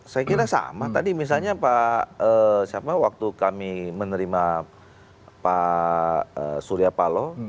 saya kira sama tadi misalnya pak siapa waktu kami menerima pak surya palo